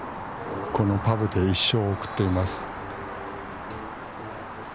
このパブで一生を送っています。